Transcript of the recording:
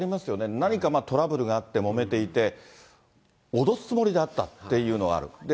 何かトラブルがあって、もめていて、脅すつもりだったっていうのはある。